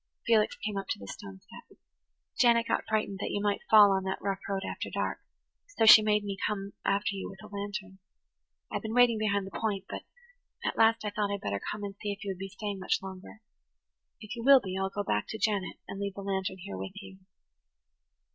Felix came up to the stone step. "Janet got frightened that you might fall on that rough road after dark, so she made me come after you with a lantern. I've been waiting behind the point, but at last I thought I'd better come and see if you would be staying much longer. If you [Page 110] will be, I'll go back to Janet and leave the lantern here with you."